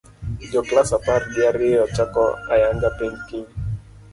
Jo class apar gi ariyo chako ayanga penj kiny